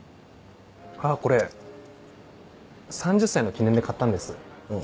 あぁこれ３０歳の記念で買ったんです。